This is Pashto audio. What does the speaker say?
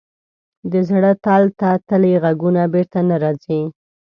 د زړه تل ته تللي ږغونه بېرته نه راځي.